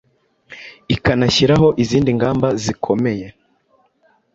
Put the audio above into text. ikanashyiraho izindi ngamba zikomeye